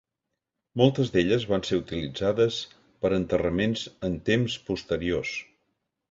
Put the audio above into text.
Moltes d'elles van ser utilitzades per a enterraments en temps posteriors.